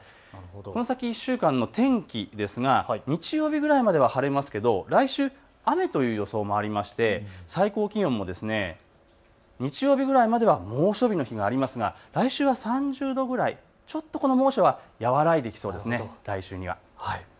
この先１週間の天気ですが日曜日くらいまでは晴れますけれども来週、雨という予想もありまして最高気温も日曜日くらいまでは猛暑日の日がありますが来週は３０度くらい、ちょっとこの猛暑は和らいできそうです。